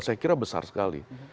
saya kira besar sekali